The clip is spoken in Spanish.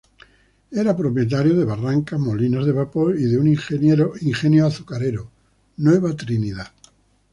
Era propietario de barrancas, molinos de vapor y de un ingenio azucarero, Nueva Trinidad.